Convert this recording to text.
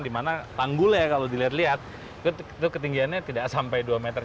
di mana tanggulnya kalau dilihat lihat itu ketinggiannya tidak sampai dua meter